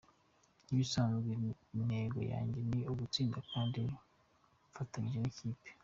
Nk’ibisanzwe intego yanjye ni ugutsinda kandi mfatanyije n’ikipe.